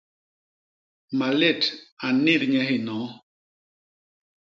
Malét a nnit nye hinoo.